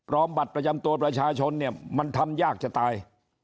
บัตรประจำตัวประชาชนเนี่ยมันทำยากจะตาย